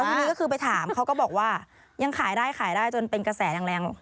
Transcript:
แล้วทีนี้ก็คือไปถามเขาก็บอกว่ายังขายได้จนเป็นกระแสแหลง